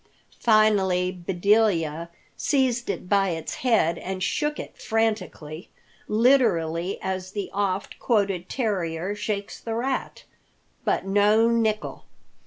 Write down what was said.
Finally Bedelia seized it by its head and shook it frantically, literally as the oft quoted terrier shakes the rat. But no nickel!